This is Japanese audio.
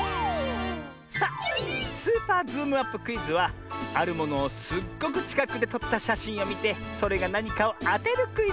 さあ「スーパーズームアップクイズ」はあるものをすっごくちかくでとったしゃしんをみてそれがなにかをあてるクイズ！